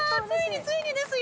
ついにですよ。